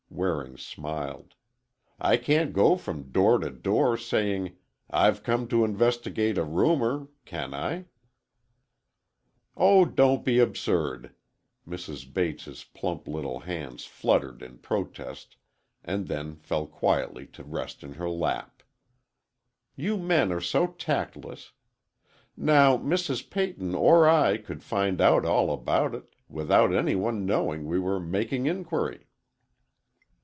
Waring smiled. "I can't go from door to door, saying 'I've come to investigate a rumor,' can I?" "Oh, don't be absurd!" Mrs. Bates' plump little hands fluttered in protest and then fell quietly to rest in her lap. "You men are so tactless! Now, Mrs. Peyton or I could find out all about it, without any one knowing we were making inquiry."